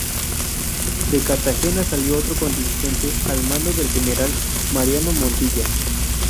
De Cartagena salió otro contingente al mando del general Mariano Montilla.